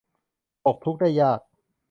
ตกทุกข์ได้ยาก